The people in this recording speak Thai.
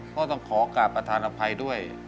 ก็ต้องขอกราบประธานอภัยด้วย